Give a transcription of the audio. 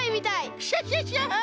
クシャシャシャ！